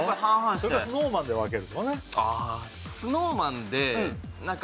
それかＳｎｏｗＭａｎで分けるとかね